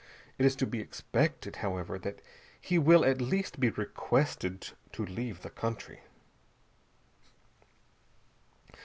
It is to be expected, however, that he will at least be requested to leave the country.